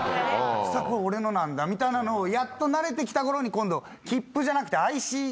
そしたらこれ俺のなんだみたいなのをやっと慣れて来た頃に今度切符じゃなくて。